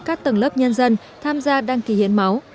các tầng lớp nhân dân tham gia đăng ký hiến máu